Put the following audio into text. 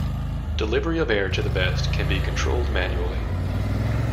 Delivery of air to the vest can be controlled manually.